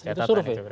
catatan itu berarti